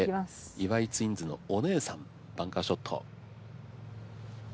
岩井ツインズのお姉さんバンカーショット。